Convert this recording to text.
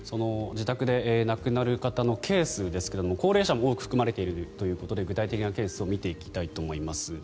自宅で亡くなる方のケースですが高齢者も多く含まれているということで具体的なケースを見ていきたいと思います。